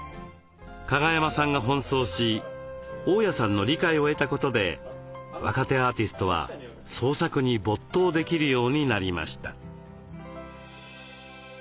加賀山さんが奔走し大家さんの理解を得たことで若手アーティストは創作に没頭できるようになりました。